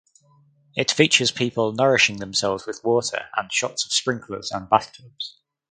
It features people nourishing themselves with water and shots of sprinklers and bath tubs.